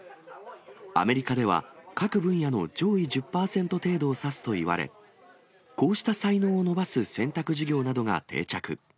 アメリカでは各分野の上位１０％程度を指すといわれ、こうした才能を伸ばす選択授業などが定着。